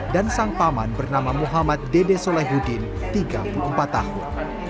dan sang paman bernama muhammad dede solehudin tiga puluh empat tahun